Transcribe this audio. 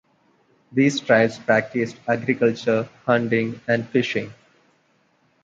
These tribes practiced agriculture, hunting and fishing.